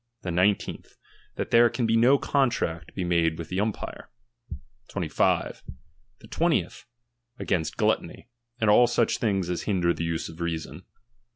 The nine teenth, that there can no contract be made with the umpire^ ^^^25. The twentieth, against gluttony, and all auch things as ^HUuder tbe use of reason.